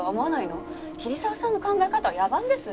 桐沢さんの考え方は野蛮です。